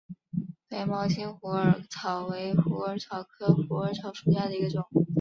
白毛茎虎耳草为虎耳草科虎耳草属下的一个种。